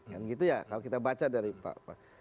kan gitu ya kalau kita baca dari pak